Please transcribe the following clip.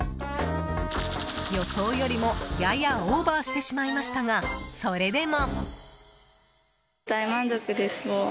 予想よりもややオーバーしてしまいましたがそれでも。